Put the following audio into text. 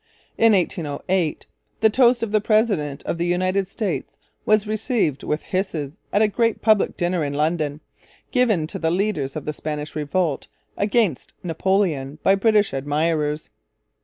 In 1808 the toast of the President of the United States was received with hisses at a great public dinner in London, given to the leaders of the Spanish revolt against Napoleon by British admirers.